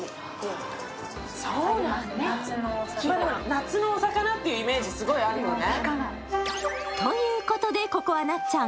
夏のお魚っていうイメージ、すごいあるよね。